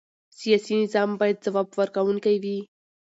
سیاسي نظام باید ځواب ورکوونکی وي